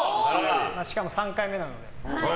しかも３回目なので。